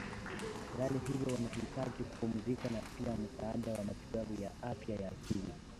halali hivyo wanahitaji kupumzika na pia msaada wa matibabu ya afya ya akili